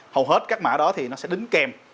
hầu hết các mã đó thì nó sẽ đính kèm